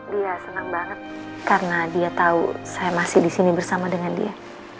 dia senang banget karena dia tahu saya masih di sini bersama dengan dia